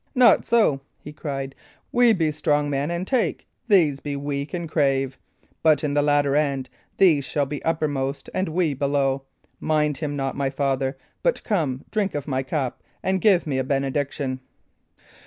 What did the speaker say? "Not so," he cried. "We be strong men, and take; these be weak, and crave; but in the latter end these shall be uppermost and we below. Mind him not, my father; but come, drink of my cup, and give me a benediction."